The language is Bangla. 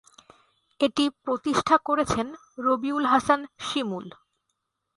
এটি প্রতিষ্ঠা করেছেন রবিউল হাসান শিমুল।